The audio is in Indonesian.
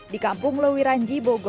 di kampung lewiran